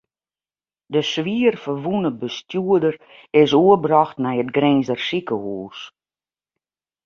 De swier ferwûne bestjoerder is oerbrocht nei it Grinzer sikehús.